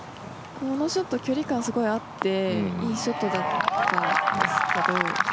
このショット距離感が合っていいショットだったんですけど。